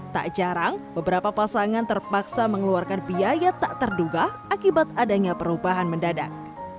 tak jarang beberapa pasangan terpaksa mengeluarkan biaya tak terduga akibat adanya perubahan mendadak